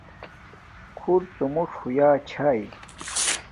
خُرڎُمُݽ ہݸݵئ چھݳݵے.